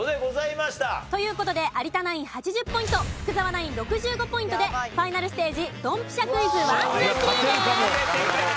という事で有田ナイン８０ポイント福澤ナイン６５ポイントでファイナルステージドンピシャクイズ１・２・３です。